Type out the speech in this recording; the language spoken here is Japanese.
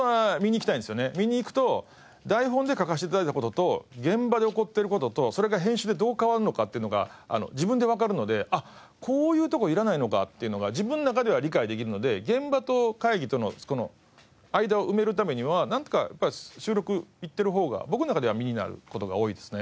見に行くと台本で書かせて頂いた事と現場で起こってる事とそれが編集でどう変わるのかっていうのが自分でわかるのであっこういうとこいらないのかっていうのが自分の中では理解できるので現場と会議との間を埋めるためにはなんかやっぱ収録行ってる方が僕の中では身になる事が多いですね。